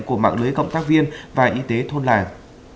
của mạng lưới cộng tác viên và y tế thôn làng